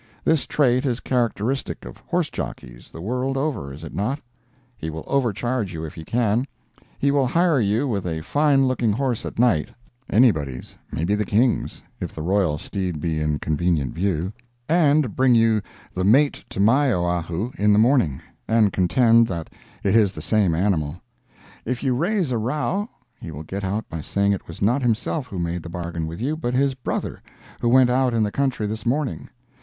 This trait is characteristic of horse jockeys, the world over, is it not? He will overcharge you if he can; he will hire you a fine looking horse at night (anybody's—maybe the King's, if the royal steed be in convenient view), and bring you the mate to my Oahu in the morning, and contend that it is the same animal. If you raise a row, he will get out by saying it was not himself who made the bargain with you, but his brother, "who went out in the country this morning."